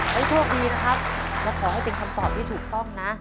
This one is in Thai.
ให้โชคดีนะครับและขอให้เป็นคำตอบที่ถูกต้องนะ